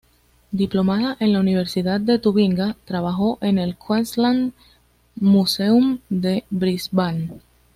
Diplomada en la Universidad de Tubinga, trabajó en el Queensland Museum de Brisbane.